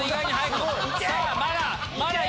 さぁまだ！